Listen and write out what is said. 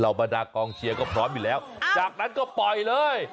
บรรดากองเชียร์ก็พร้อมอยู่แล้วจากนั้นก็ปล่อยเลย